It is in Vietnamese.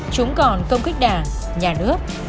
chúng còn công khích đảng nhà nước